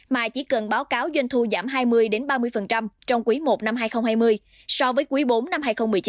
mà chỉ cần báo cáo doanh thu giảm hai mươi ba mươi trong quý i năm hai nghìn hai mươi so với quý iv năm hai nghìn một mươi chín